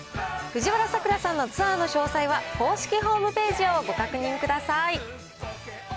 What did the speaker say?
藤原さくらさんのツアーの詳細は、公式ホームページをご確認ください。